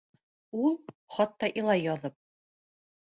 Ул, хатта илай яҙып: